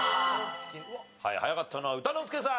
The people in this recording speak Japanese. はい早かったのは歌之助さん。